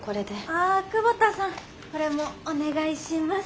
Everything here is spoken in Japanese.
あっ久保田さんこれもお願いします。